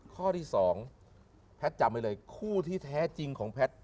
ข้อที่๒แพทย์จำไว้เลยคู่ที่แท้จริงของแพทย์